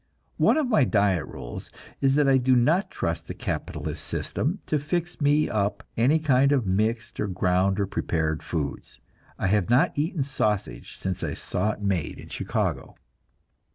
One of my diet rules is that I do not trust the capitalist system to fix me up any kind of mixed or ground or prepared foods. I have not eaten sausage since I saw it made in Chicago.